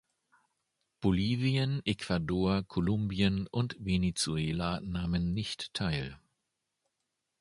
Bolivien, Ecuador, Kolumbien und Venezuela nahmen nicht teil.